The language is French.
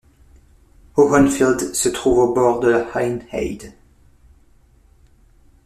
Hohenfelde se trouve au bord de la Hahnheide.